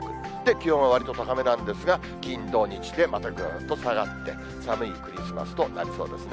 気温はわりと高めなんですが、金、土、日で、またぐっと下がって、寒いクリスマスとなりそうですね。